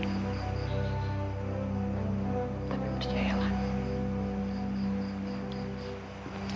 tapi berjaya lah